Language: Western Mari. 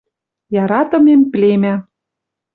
Яратымем племя